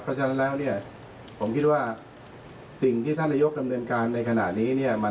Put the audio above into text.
เพราะฉะนั้นแล้วเนี่ยผมคิดว่าสิ่งที่ท่านนายกดำเนินการในขณะนี้เนี่ย